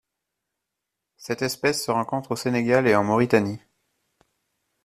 Cette espèce se rencontre au Sénégal et en Mauritanie.